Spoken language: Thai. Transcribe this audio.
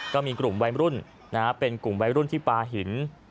ก็มีกลุ่มวัยรุ่นเป็นกลุ่มวัยรุ่นที่ปลาหิน